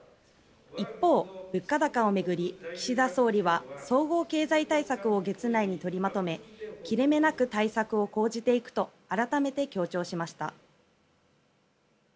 一方、物価高を巡り岸田総理は総合経済対策を月内に取りまとめ切れ目なく対策を講じていくと改めて強調しました。